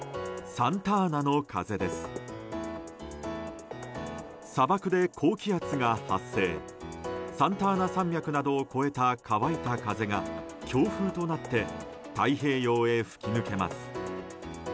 サンタアナ山脈などを越えた乾いた風が強風となって太平洋へ吹き抜けます。